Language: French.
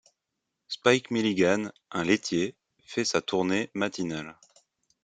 Spike Milligan, un laitier, fait sa tournée matinale.